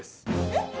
えっ？